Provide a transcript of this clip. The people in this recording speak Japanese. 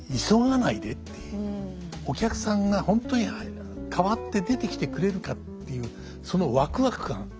お客さんが「本当に替わって出てきてくれるか」っていうそのワクワク感